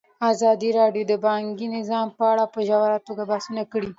ازادي راډیو د بانکي نظام په اړه په ژوره توګه بحثونه کړي.